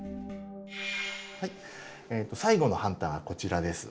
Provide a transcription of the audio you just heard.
はい最後のハンターがこちらです。